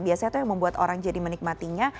biasanya tuh yang membuat orang jadi menikmatinya